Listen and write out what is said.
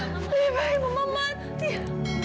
baik mama mati